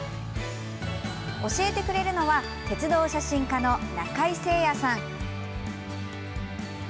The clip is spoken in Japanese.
教えてくれるのは鉄道写真家の中井精也さん。